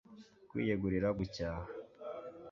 Kwiyegurira gucyaha